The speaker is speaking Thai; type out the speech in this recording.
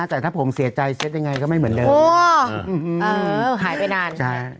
แต่ถ้าผมเสียใจเซ็ตยังไงก็ไม่เหมือนเดิมอ๋อหายไปนานใช่